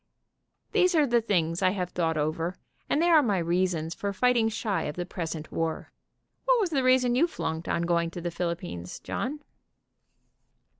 These are the things I have thought over, and they are my reasons for fight ing shy of the present war. \Yhat was the reason you flunked on going to the Philippines, John?"